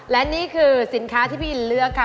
และนี่คือสินค้าที่พี่อินเลือกค่ะ